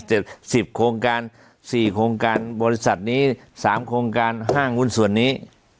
สิบโครงการสี่โครงการบริษัทนี้สามโครงการห้างหุ้นส่วนนี้